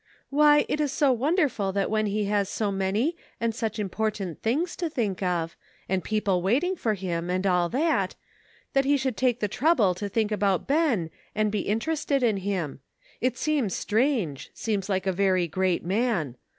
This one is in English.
" "Why, it is so wonderful that when he has go many and such important things to think of, and people waiting for him, and all that, that he should take the trouble to think about Ben and be interested in him ; it seems strange — seems like a very great man.